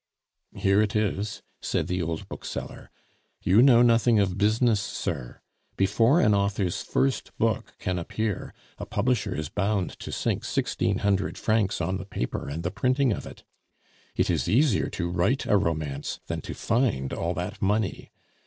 "Here it is," said the old bookseller. "You know nothing of business, sir. Before an author's first book can appear, a publisher is bound to sink sixteen hundred francs on the paper and the printing of it. It is easier to write a romance than to find all that money.